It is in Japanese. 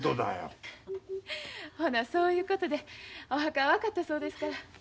ほなそういうことでお墓は分かったそうですから。